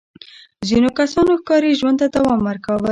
ځینو کسانو ښکاري ژوند ته دوام ورکاوه.